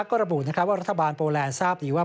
ก็ระบุว่ารัฐบาลโปแลนด์ทราบดีว่า